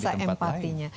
dan rasa empatinya